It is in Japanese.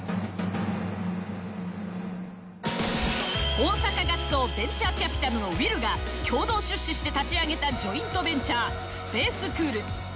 大阪ガスとベンチャーキャピタルのＷｉＬが共同出資して立ち上げたジョイントベンチャーＳＰＡＣＥＣＯＯＬ。